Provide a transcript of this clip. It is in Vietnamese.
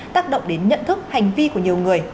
tác động đến nhận thức hành vi của nhiều người